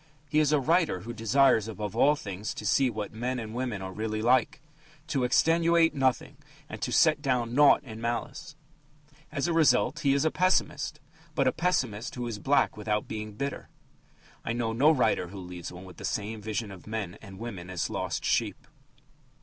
He is a writer who desires above all things to see what men and women are really like to extenuate nothing and to set down naught in malice. As a result, he is a pessimist, but a pessimist who is black without being bitter. I know no writer who leaves one with the same vision of men and women as lost sheep.